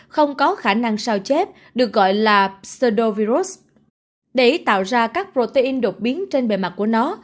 không có khả năng sao chép được gọi là pedrovirus để tạo ra các protein đột biến trên bề mặt của nó